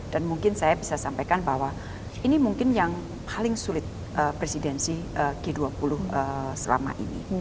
dan mungkin saya bisa sampaikan bahwa ini mungkin yang paling sulit presidensi g dua puluh selama ini